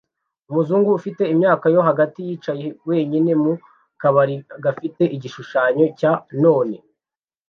Umuzungu ufite imyaka yo hagati yicaye wenyine mu kabari gafite igishushanyo cya none